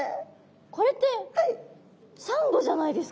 これってサンゴじゃないですか？